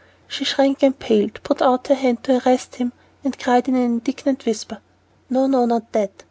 She shrank and paled, put out her hand to arrest him, and cried in an indignant whisper, "No, no, not that!